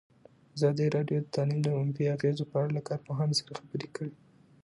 ازادي راډیو د تعلیم د منفي اغېزو په اړه له کارپوهانو سره خبرې کړي.